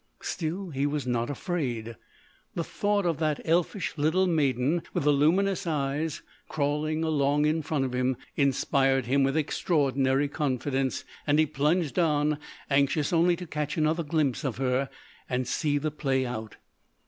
Still he was not afraid. The thought of that elfish little maiden with the luminous eyes crawling along in front of him inspired him with extraordinary confidence and he plunged on, anxious only to catch another glimpse of her and see the play out.